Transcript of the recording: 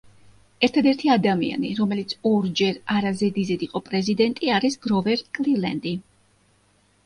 ერთადერთი ადამიანი, რომელიც ორჯერ არა ზედიზედ იყო პრეზიდენტი არის გროვერ კლივლენდი.